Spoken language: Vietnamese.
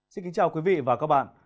xin kính chào quý vị và các bạn